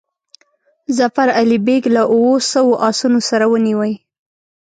ظفر علي بیګ له اوو سوو آسونو سره ونیوی.